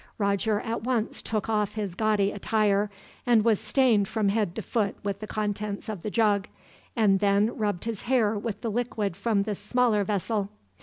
Roger at once took off his gaudy attire, and was stained from head to foot with the contents of the jug, and then rubbed his hair with the liquid from the smaller vessel.